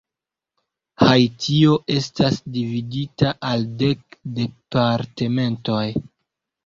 Haitio estas dividita al dek departementoj.